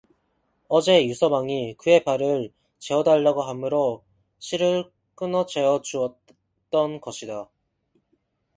어제 유서방이 그의 발을 재어 달라고 하므로 실을 끊어 재어 주었던 것이다.